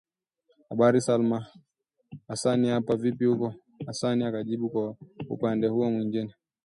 "Habari Salma, Hasani hapa…vipi huko?" Hasani akijibu kwa upande huo mwingine…